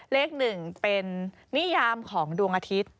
เลข๑เป็นนิยามของดวงอาทิตย์